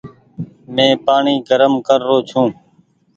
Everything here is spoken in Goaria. مين پآڻيٚ گرم ڪر رو ڇون ۔